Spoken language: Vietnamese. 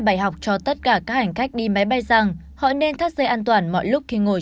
bài học cho tất cả các hành khách đi máy bay rằng họ nên thắt dây an toàn mọi lúc khi ngồi